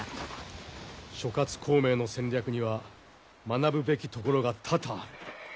諸孔明の戦略には学ぶべきところが多々ある。